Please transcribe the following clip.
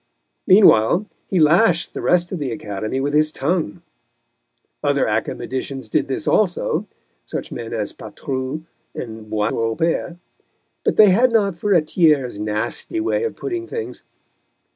Meanwhile he lashed the rest of the Academy with his tongue. Other Academicians did this also, such men as Patru and Boisrobert, but they had not Furetière's nasty way of putting things.